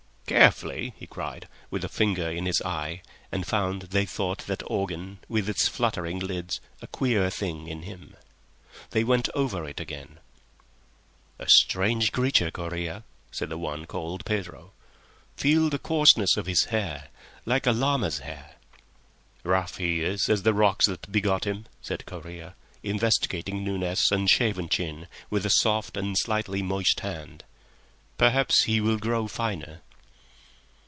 "Carefully," he cried, with a finger in his eye, and found they thought that organ, with its fluttering lids, a queer thing in him. They went over it again. "A strange creature, Correa," said the one called Pedro. "Feel the coarseness of his hair. Like a llama's hair." "Rough he is as the rocks that begot him," said Correa, investigating Nunez's unshaven chin with a soft and slightly moist hand. "Perhaps he will grow finer."